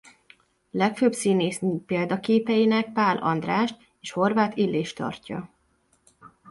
Legfőbb színészi példaképeinek Pál Andrást és Horváth Illést tartja.